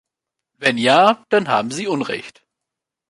Wenn ja, dann haben Sie unrecht.